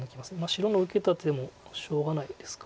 白の受けた手もしょうがないですか。